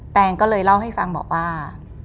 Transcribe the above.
แงก็เลยเล่าให้ฟังบอกว่า